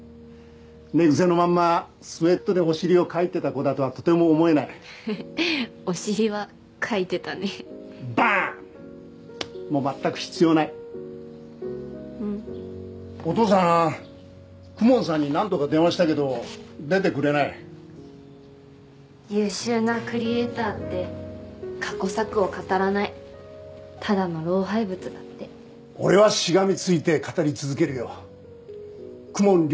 寝癖のまんまスエットでお尻をかいてた子だとはとても思えないふふふっお尻はかいてたねバーン！も全く必要ないうんお父さん公文さんに何度か電話したけど出てくれない優秀なクリエイターって過去作を語らないただの老廃物だって俺はしがみついて語り続けるよ公文竜